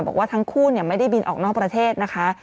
บอกว่าทั้งคู่ไม่ได้บินออกนอกประเทศนะคะ